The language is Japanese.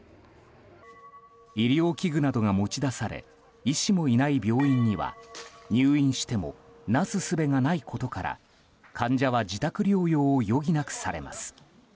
医療器具などが持ち出され医師もいない病院には入院してもなすすべがないことから患者は自宅療養を余儀なくされます。